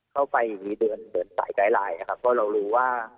เข้าไปอย่างนี้เบือนเบือนสายไกลไหลเองอ่ะครับเพราะเรารู้ว่า